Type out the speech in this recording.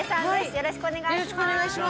よろしくお願いします